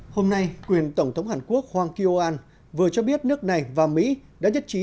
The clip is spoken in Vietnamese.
hôm nay quyền tổng thống hàn quốc hwang kyo an vừa cho biết nước này và mỹ đã nhất trí